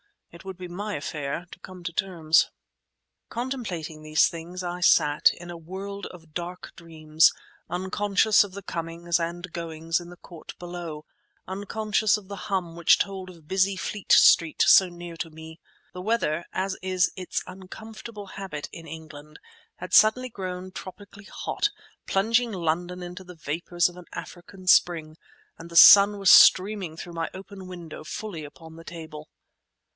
It would be my affair to come to terms. Contemplating these things I sat, in a world of dark dreams, unconscious of the comings and goings in the court below, unconscious of the hum which told of busy Fleet Street so near to me. The weather, as is its uncomfortable habit in England, had suddenly grown tropically hot, plunging London into the vapours of an African spring, and the sun was streaming through my open window fully upon the table.